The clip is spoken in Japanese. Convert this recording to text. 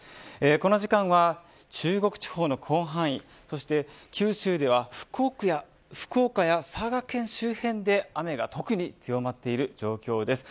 この時間は中国地方の広範囲そして、九州では福岡や佐賀県周辺で雨が特に強まっている状況です。